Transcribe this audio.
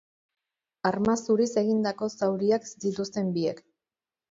Arma zuriz egindako zauriak zituzten biek.